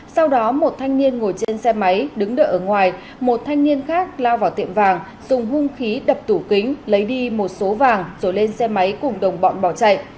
sau đó một thanh niên ngồi trên xe máy đứng đợi ở ngoài một thanh niên khác lao vào tiệm vàng dùng hung khí đập tủ kính lấy đi một số vàng rồi lên xe máy cùng đồng bọn bỏ chạy